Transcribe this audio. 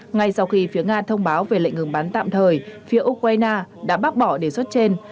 ngay sau khi phía nga thông báo về lệnh ngừng bắn tạm thời phía ukraine đã bác bỏ đề xuất trên